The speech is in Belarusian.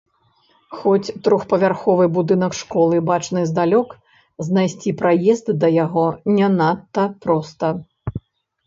Хоць трохпавярховы будынак школы бачны здалёк, знайсці праезд да яго не надта проста.